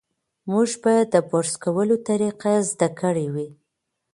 موږ به د برس کولو طریقه زده کړې وي.